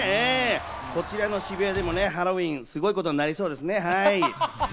こちらの渋谷でもハロウィーンすごいことになりそうですね、はい。